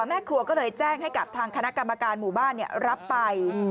แม่ครัวก็เลยแจ้งให้กับทางคณะกรรมการหมู่บ้านรับไป